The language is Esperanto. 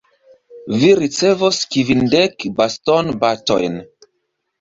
Vi ricevos kvindek bastonbatojn.